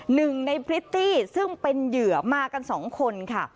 หนึ่งในพริตตี้ซึ่งเป็นเหยื่อมากันสองคนค่ะ